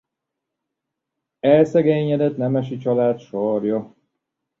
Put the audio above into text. Elszegényedett nemesi család sarja.